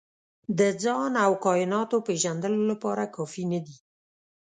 د ځان او کایناتو پېژندلو لپاره کافي نه دي.